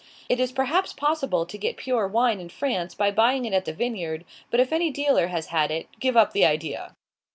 It is perhaps possible to get pure wine in France by buying it at the vineyard; but if any dealer has had it, give up the idea!